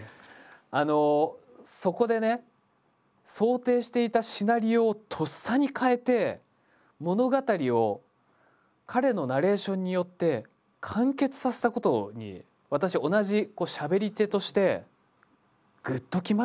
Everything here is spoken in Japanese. あのそこでね想定していたシナリオをとっさに変えて物語を彼のナレーションによって完結させたことに私同じしゃべり手としてグッときましたよ。